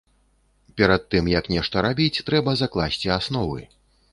Перад тым, як нешта рабіць, трэба закласці асновы.